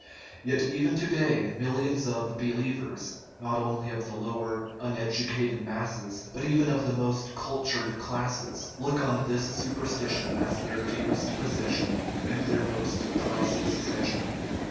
Yet even to day millions of " believers " not only of the lower, uneducated masses, but even of the most cultured classes look on this superstition as their dearest pos session and their most "priceless treasure."